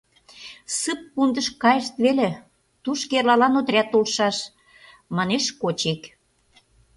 — Ссыппунктыш кайышт веле, тушко эрлалан отряд толшаш, — манеш Кочик.